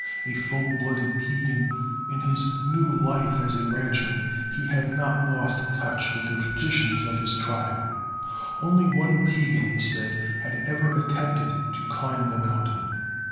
A full blooded Piegan, in his new life as a ranchman he had not lost touch with the traditions of his tribe. Only one Piegan, he said, had ever attempted to climb the mountain.